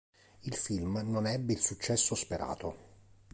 Il film non ebbe il successo sperato.